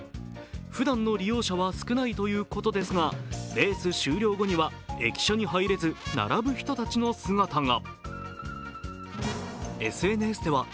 ふだんの利用者は少ないということですが、レース終了後には駅舎に入れず並ぶ人たちの姿が。